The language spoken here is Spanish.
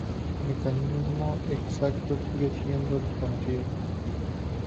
El mecanismo exacto sigue siendo desconocido.